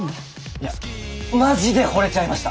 いやマジで惚れちゃいました。